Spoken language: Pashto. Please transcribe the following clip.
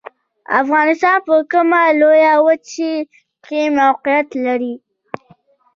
افغانستان په کومه لویه وچې کې موقعیت لري؟